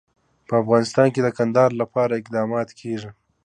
په افغانستان کې د کندهار لپاره اقدامات کېږي.